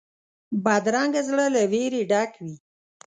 بدرنګه زړه له وېرې ډک وي